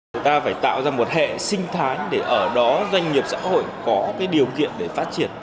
chúng ta phải tạo ra một hệ sinh thái để ở đó doanh nghiệp xã hội có cái điều kiện để phát triển